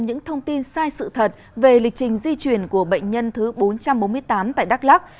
những thông tin sai sự thật về lịch trình di chuyển của bệnh nhân thứ bốn trăm bốn mươi tám tại đắk lắc